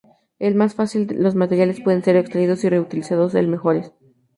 El más fácil los materiales pueden ser extraídos y re-utilizados, el mejores.